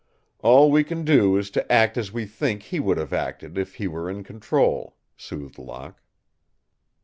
"All we can do is to act as we think he would have acted if he were in control," soothed Locke.